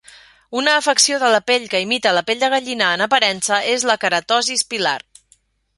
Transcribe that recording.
Una afecció de la pell que imita la pell de gallina en aparença és la queratosis pilar.